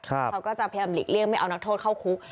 เขาก็จะพยายามหลีกเลี่ยงไม่เอานักโทษเข้าคุก